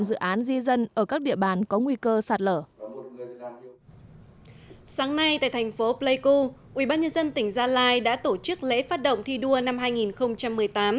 sáng nay tại thành phố pleiku ubnd tỉnh gia lai đã tổ chức lễ phát động thi đua năm hai nghìn một mươi tám